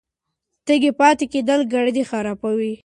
تږی پاتې کېدل ګردې خرابوي.